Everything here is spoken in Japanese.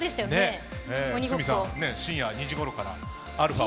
堤さん、深夜２時ごろから。